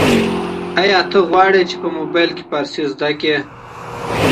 ایا ته غواړې چي په موبایل کي فارسي زده کړې؟